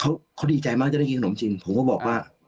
เขาดีใจมากจะได้กินขนมจีนผมก็บอกว่า